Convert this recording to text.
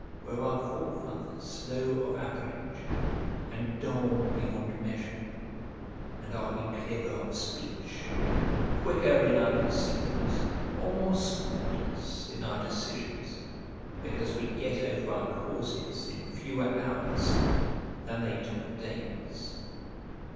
were our forefathers slow of apprehension, and dull beyond measure? and are we clearer of speech, quicker in our conceptions, or more scrupulous in our decisions, because we get over our causes in fewer hours than they took days?